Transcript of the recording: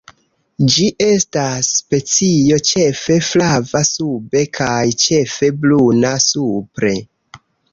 Ĝi estas specio ĉefe flava sube kaj ĉefe bruna supre.